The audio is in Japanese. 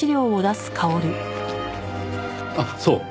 ああそう。